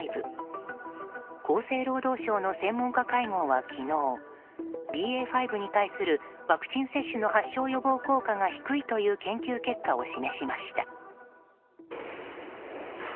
厚生労働省の専門家会合は昨日ＢＡ．５に対するワクチン接種の発症予防効果が低いという研究結果を示しました。